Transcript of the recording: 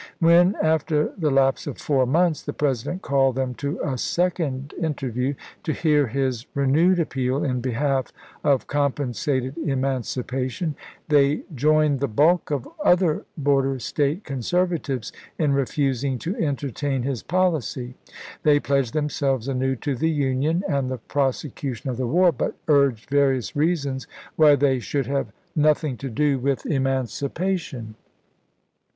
When, after the lapse of four months, the President called them to a second inter view, to hear his renewed appeal in behalf of com pensated emancipation, they joined the bulk of other border State conservatives in refusing to en tertain his policy. They pledged themselves anew to the Union and the prosecution of the war, but urged various reasons why they should have noth ing to do with emancipation.